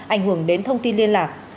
ảnh hưởng đến thông tin liên lạc